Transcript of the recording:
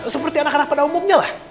seperti anak anak pada umumnya lah